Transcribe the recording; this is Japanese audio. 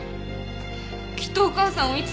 きっとお母さんをいつか捨てる。